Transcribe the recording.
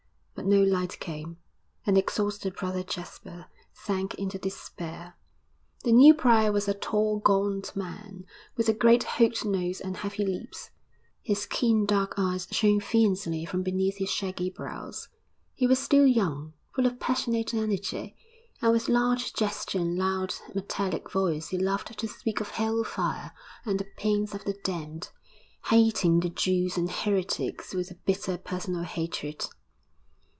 But no light came, and exhausted Brother Jasper sank into despair. The new prior was a tall, gaunt man, with a great hooked nose and heavy lips; his keen, dark eyes shone fiercely from beneath his shaggy brows. He was still young, full of passionate energy. And with large gesture and loud, metallic voice he loved to speak of hell fire and the pains of the damned, hating the Jews and heretics with a bitter personal hatred.